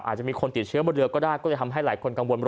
อาจจะมีคนติดเชื้อบนเรือก็ได้ก็จะทำให้หลายคนกังวล